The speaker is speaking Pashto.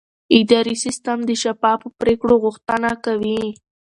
اداري سیستم د شفافو پریکړو غوښتنه کوي.